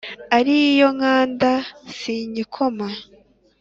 ari iyo nkanda sinyikoma